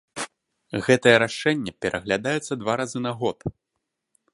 Гэтае рашэнне пераглядаецца два разы на год.